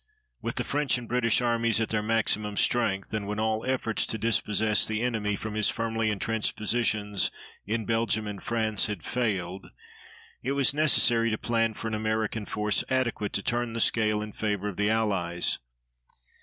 With the French and British Armies at their maximum strength, and when all efforts to dispossess the enemy from his firmly intrenched positions in Belgium and France had failed, it was necessary to plan for an American force adequate to turn the scale in favor of the Allies.